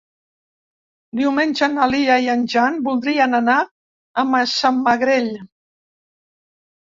Diumenge na Lia i en Jan voldrien anar a Massamagrell.